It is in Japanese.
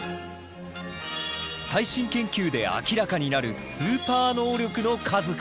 最新研究で明らかになるスーパー能力の数々！